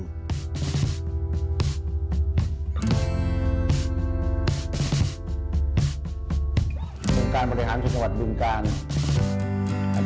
บุญการบริหารชนวัดบุญการ